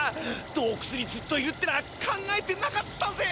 どうくつにずっといるってのは考えてなかったぜ。